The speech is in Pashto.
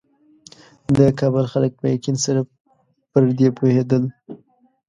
د کابل خلک په یقین سره پر دې پوهېدل.